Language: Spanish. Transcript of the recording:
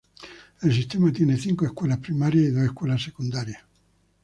El sistema tiene cinco escuelas primarias y dos escuelas secundarias.